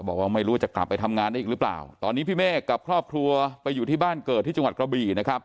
บอกว่าไม่รู้ว่าจะกลับไปทำงานได้อีกหรือเปล่าตอนนี้พี่เมฆกับครอบครัวไปอยู่ที่บ้านเกิดที่จังหวัดกระบี่นะครับ